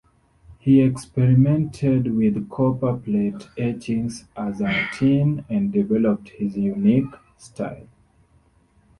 He experimented with copper plate etchings as a teen, and developed his unique style.